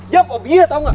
dia bobby ya tau gak